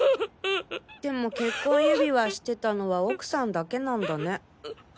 でも結婚指輪してたのは奥さんだけなんだね。